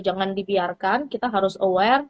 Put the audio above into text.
jangan dibiarkan kita harus aware